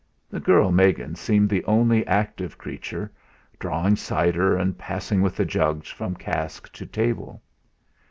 The girl Megan seemed the only active creature drawing cider and passing with the jugs from cask to table.